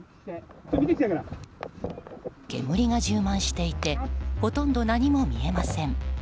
煙が充満していてほとんど何も見えません。